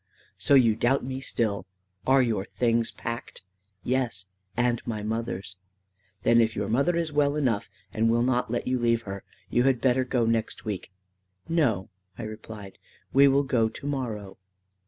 "So, you doubt me still? Are your things packed?' "Yes, and my mother's." "Then if your mother is well enough, and will not let you leave her, you had better go next week." "No," I replied, "we will go to morrow."